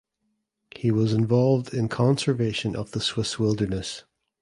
He was involved in conservation of the Swiss wilderness.